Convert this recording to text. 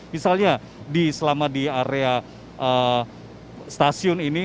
misalnya selama di area stasiun ini